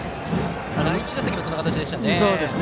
第１打席もその形でしたね。